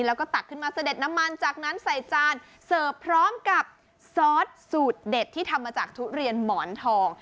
แล้วก็ตักขึ้นมาเสด็จน้ำมันจากนั้นใส่จานเสิร์ฟพร้อมกับซอสสูตรเด็ดที่ทำมาจากทุเรียนหมอนทอง